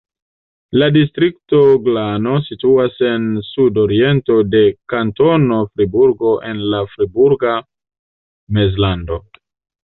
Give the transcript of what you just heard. La distrikto Glano situas en sudokcidento de Kantono Friburgo en la Friburga Mezlando.